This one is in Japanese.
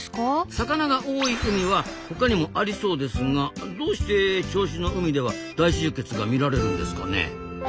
魚が多い海はほかにもありそうですがどうして銚子の海では大集結が見られるんですかね？